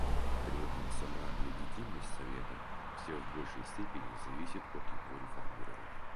При этом сама легитимность Совета все в большей степени зависит от его реформирования.